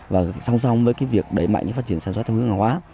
và song song với cái việc đẩy mạnh phát triển sản xuất theo hướng hàng hóa